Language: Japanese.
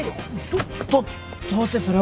どっどうしてそれを。